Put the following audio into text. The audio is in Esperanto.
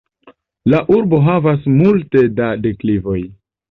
La urbo havas multe da deklivoj.